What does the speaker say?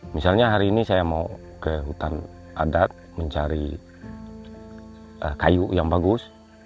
misalnya hari ini saya mau ke hutan adat mencari kayu yang bagus